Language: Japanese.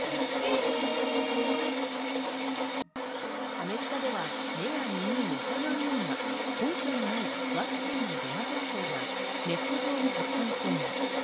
アメリカでは目や耳を疑うような根拠のないワクチンのデマ情報がネット上に拡散しています。